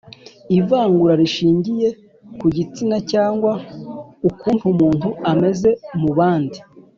ivangura rishingiye ku gitsina cyangwa ukuntu umuntu ameze mu bandi;